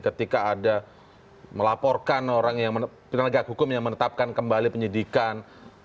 apakah ada melaporkan penegak hukum yang menetapkan kembali penyidikan